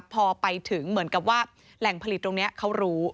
พอไปถึงเหมือนกับว่าแหล่งผลิตตรงนี้เขารู้